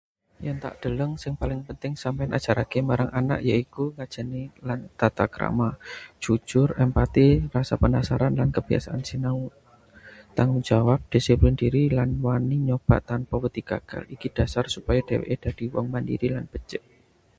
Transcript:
Yen tak deleng, sing paling penting sampeyan ajarake marang anak yaiku: ngajeni lan tata krama, jujur, empati, rasa penasaran lan kebiasaan sinau, tanggung jawab, disiplin diri, lan wani nyoba tanpa wedi gagal. Iki dhasar supaya dheweke dadi wong mandiri lan becik.